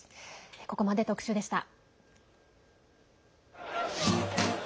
ここまで、特集でした。